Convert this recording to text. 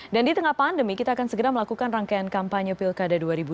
dan di tengah pandemi kita akan segera melakukan rangkaian kampanye pilkada dua ribu dua puluh